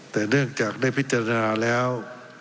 แต่เนื่องจากได้พิจารณาแล้ว